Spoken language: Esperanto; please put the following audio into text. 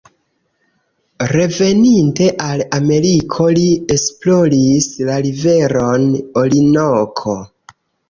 Reveninte al Ameriko li esploris la riveron Orinoko.